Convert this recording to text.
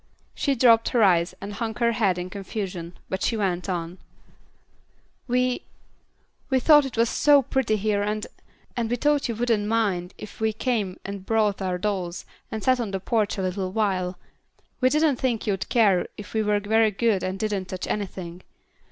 She dropped her eyes and hung her head in confusion, but she went on, "We, we thought it was so pretty here, and and we thought you wouldn't mind if we came and brought our dolls and sat on the porch a little while; we didn't think you'd care if we were very good and didn't touch anything.